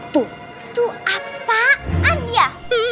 tuh apaan ya